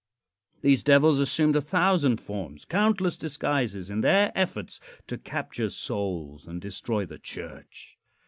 These devils assumed a thousand forms countless disguises in their efforts to capture souls and destroy the church.